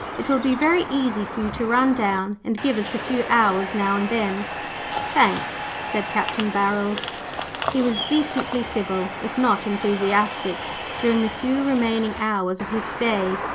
It will be very easy for you to run down and give us a few hours now and then." "Tha anks," said Capt. Barold. He was decently civil, if not enthusiastic, during the few remaining hours of his stay.